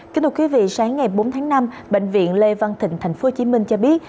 kính thưa quý vị sáng ngày bốn tháng năm bệnh viện lê văn thịnh tp hcm cho biết